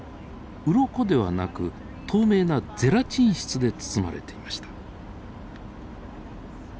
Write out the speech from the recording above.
ウロコではなく透明なゼラチン質で包まれていました。